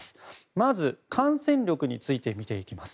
まず、感染力について見ていきます。